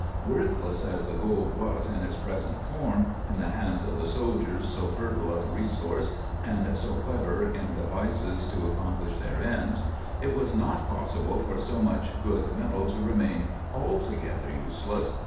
Worthless as the gold was in its present form, in the hands of the soldiers so fertile of resource and so clever in devices to accomplish their ends, it was not possible for so much good metal to remain altogether useless.